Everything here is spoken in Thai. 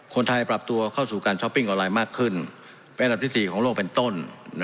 คนไทยปรับตัวเข้าสู่การช้อปปิ้งออนไลน์มากขึ้นเป็นอันดับที่๔ของโลกเป็นต้น